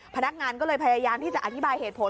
พนักงานก็เลยพยายามที่จะอธิบายเหตุผล